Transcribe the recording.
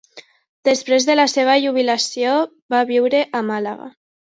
Després de la seva jubilació va viure a Màlaga.